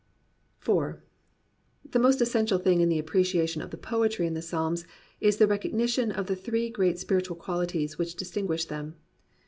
IV The most essential thing in the appreciation of the poetry in the Psalms is the recognition of the three great spiritual quahties which distinguish them.